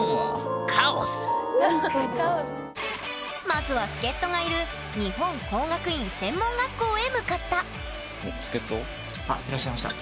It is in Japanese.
まずは助っ人がいる日本工学院専門学校へ向かったあいらっしゃいました。